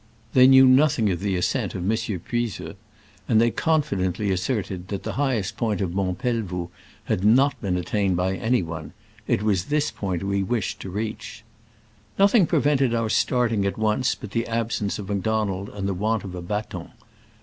They knew nothing of the ascent of Monsieur Puiseux, and they confidently asserted that the highest point of Mont Pelvoux had not been attained by any one : it was this point we wished to reach. Nothing prevented our starting at once but the absence of Macdonald and the want of a baton.